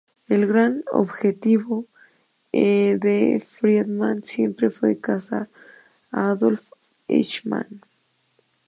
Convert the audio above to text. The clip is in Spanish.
El gran objetivo de Friedman siempre fue cazar a Adolf Eichmann.